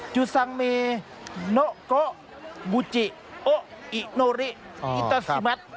จุซังเมโนโกบูจิโออิโนริอิตาซิมัติ